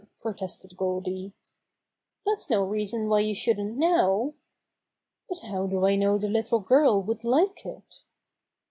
pro tested Goldy. "That's no reason why you shouldn't now." "But how do I know the little girl would like it?"